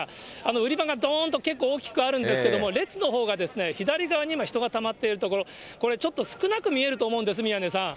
売り場がどんと結構大きくあるんですけど、列のほうがですね、左側に今、人がたまっている所、これちょっと少なく見えると思うんです、宮根さん。